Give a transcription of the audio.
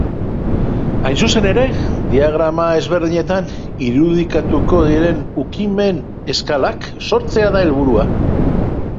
Hain zuzen ere, diagrama ezberdinetan irudikatuko diren ukimen-eskalak sortzea da helburua.